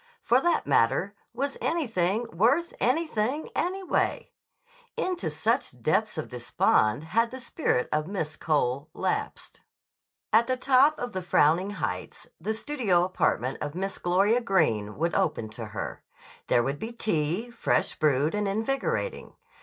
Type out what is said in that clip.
For that matter, was anything worth anything, anyway? Into such depths of despond had the spirit of Miss Cole lapsed. [Illustration: Was anything worth anything, anyway?] At the top of the frowning heights the studio apartment of Miss Gloria Greene would open to her. There would be tea, fresh brewed and invigorating.